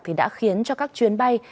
thì đã khiến cho các chuyến bay